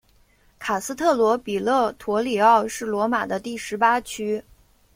卡斯特罗比勒陀里奥是罗马的第十八区。